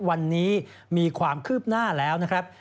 วันนี้มีความคืบหน้าแล้วนะครับ